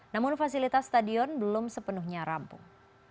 namun fasilitas stadion belum sepenuhnya rampung